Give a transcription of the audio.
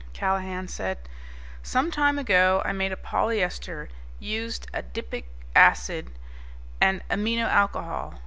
Callahan said, "Some time ago I made a polyester, used adipic acid and an amino alcohol.